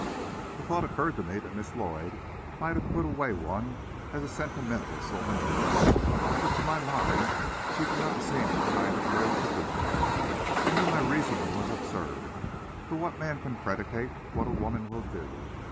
The thought occurred to me that Miss Lloyd might have put away one as a sentimental souvenir, but to my mind she did not seem the kind of a girl to do that. I knew my reasoning was absurd, for what man can predicate what a woman will do?